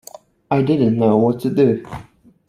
I didn't know what to do.